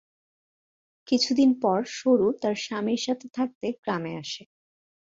কিছুদিন পর সরু তার স্বামীর সাথে থাকতে গ্রামে আসে।